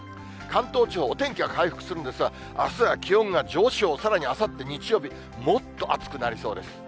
関東地方、お天気は回復するんですが、あすは気温が上昇、さらにあさって日曜日、もっと暑くなりそうです。